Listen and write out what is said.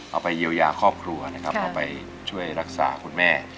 เอาไปเยียวยาครอบครัวนะครับเอาไปช่วยรักษาคุณแม่